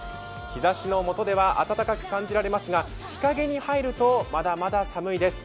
日ざしのもとでは暖かく感じますが日陰に入るとまだまだ寒いです。